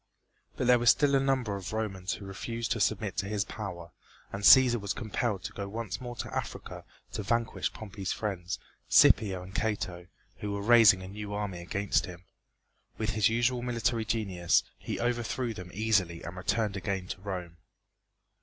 But there were still a number of Romans who refused to submit to his power, and Cæsar was compelled to go once more to Africa to vanquish Pompey's friends, Scipio and Cato, who were raising a new army against him. With his usual military genius, he overthrew them easily and returned again to Rome.